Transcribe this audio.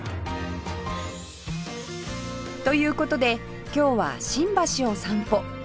という事で今日は新橋を散歩